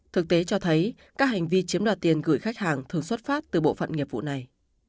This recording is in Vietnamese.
thực tế cho thấy các hành vi chiếm đoạt tiền gửi khách hàng thường xuất phát từ bộ phận nghiệp vụ này